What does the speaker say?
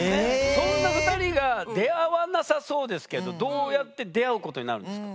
そんな２人が出会わなさそうですけどどうやって出会うことになるんですか？